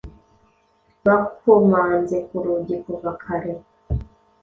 Bakomanze ku rugi kuva kare.